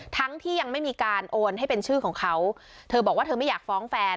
ทั้งที่ยังไม่มีการโอนให้เป็นชื่อของเขาเธอบอกว่าเธอไม่อยากฟ้องแฟน